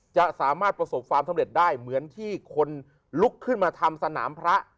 จะสามารถประสบความสำเร็จได้เหมือนที่คนลุกขึ้นมาทำสนามพระ